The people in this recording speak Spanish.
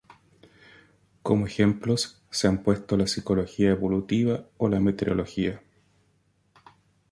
Como ejemplos se han puesto la psicología evolutiva o la meteorología.